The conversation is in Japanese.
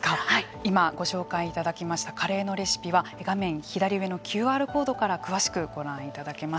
今、ご紹介いただきましたカレーのレシピは画面左上のＱＲコードから詳しくご覧いただけます。